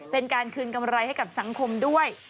เป็นการคืนกำไรให้กับสังคมด้วย